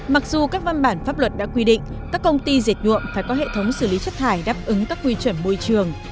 mặc dù các văn bản pháp luật đã quy định các công ty dệt nhuộm phải có hệ thống xử lý chất thải đáp ứng các quy chuẩn môi trường